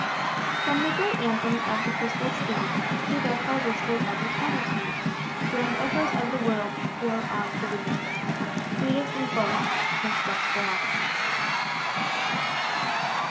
From the great anthems of the Crystal Sea, Through the far vistas of Eternity, Grand echoes of the word peal on for thee, Sweetest and fullest: 'Most blessed for ever.'